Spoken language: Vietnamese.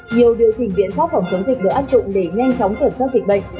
nhiều điều chỉnh viện phát phòng chống dịch được áp dụng để nhanh chóng kiểm soát dịch bệnh